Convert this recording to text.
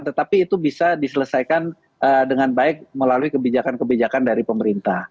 tetapi itu bisa diselesaikan dengan baik melalui kebijakan kebijakan dari pemerintah